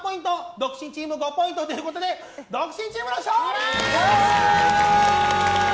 独身チーム５ポイントということで独身チームの勝利！